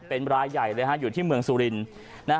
เป็นรายใหญ่เลยฮะอยู่ที่เมืองสุรินทร์